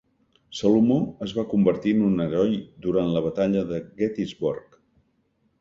Salomó es va convertir en un heroi durant la batalla de Gettysburg.